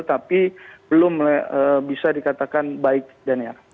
tapi belum bisa dikatakan baik daniar